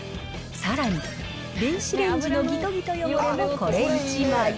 さらに、電子レンジのぎとぎと汚れもこれ１枚。